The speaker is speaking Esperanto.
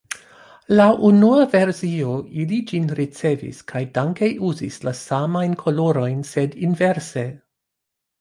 Laŭ unua versio, ili ĝin ricevis kaj danke uzis la samajn kolorojn sed inverse.